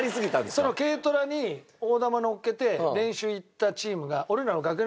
その軽トラに大玉乗っけて練習行ったチームが。